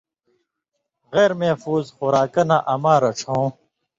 غیر محفوظ خوراکہ نہ اما رڇھؤں: